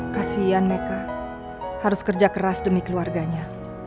kasian meka harus kerja keras demi keluarganya